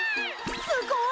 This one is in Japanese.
すごい！